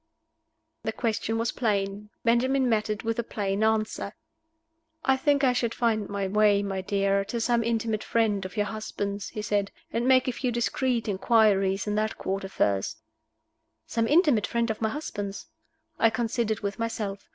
The question was plain. Benjamin met it with a plain answer. "I think I should find my way, my dear, to some intimate friend of your husband's," he said, "and make a few discreet inquiries in that quarter first." Some intimate friend of my husband's? I considered with myself.